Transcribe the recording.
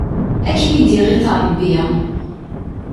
Ad kem-id-iɣit Rebbi!